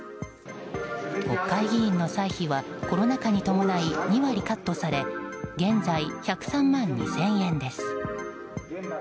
国会議員の歳費はコロナ禍に伴い２割カットされ現在１０３万２０００円です。